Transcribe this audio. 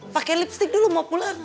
pakai lipstick dulu mau pulang